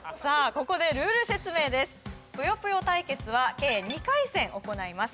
ここでルール説明です「ぷよぷよ」対決は計２回戦行います